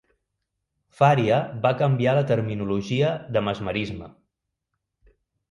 Faria va canviar la terminologia de mesmerisme.